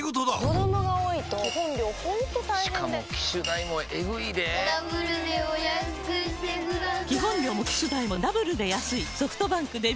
子供が多いと基本料ほんと大変でしかも機種代もエグいでぇダブルでお安くしてください